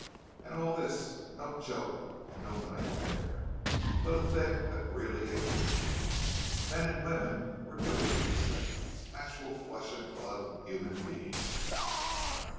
And all this no joke and no nightmare—but a thing that really existed. Men and women were doing these things—actual flesh and blood human beings.